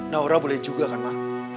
naura boleh juga kan mah